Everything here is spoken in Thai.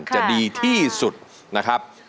จะดีที่สุดนะครับ